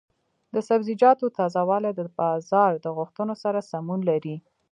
د سبزیجاتو تازه والي د بازار د غوښتنو سره سمون لري.